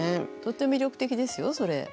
とっても魅力的ですよそれ。